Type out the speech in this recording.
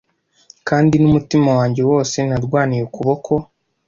kandi n'umutima wanjye wose narwaniye ukuboko